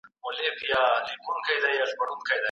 چاپیریال ساتنه د ټولو انسانانو ګډ مسؤلیت دی.